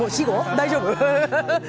大丈夫？